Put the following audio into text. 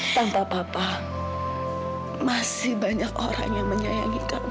tanpa bapak masih banyak orang yang menyayangi kamu